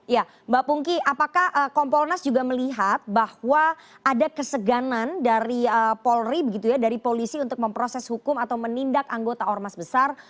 ya mbak pungki apakah kompolnas juga melihat bahwa ada keseganan dari polri begitu ya dari polisi untuk memproses hukum atau menindak anggota ormas besar